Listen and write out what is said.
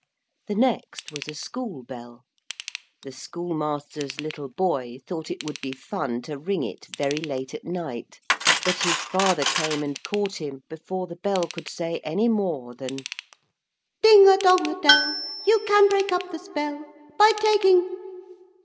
The next was a school bell. The schoolmaster's little boy thought it would be fun to ring it very late at night but his father came and caught him before the bell could say any more than Ding a dong dell You can break up the spell By taking...